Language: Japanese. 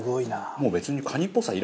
もう別に。